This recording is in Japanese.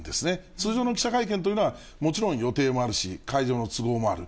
通常の記者会見というのは、もちろん予定もあるし、会場の都合もある。